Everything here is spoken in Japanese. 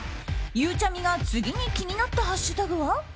ゆうちゃみが次に気になったハッシュタグは？